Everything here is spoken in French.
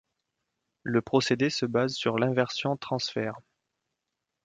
Le procédé se base sur l'inversion transfert.